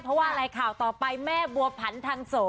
เพราะว่ารายข่าวต่อไปแม่บัวพันธ์ทั้งโส